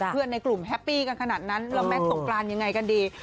ในกลุ่มแฮปปี้กันขนาดนั้นแล้วแมทสงกรานยังไงกันดี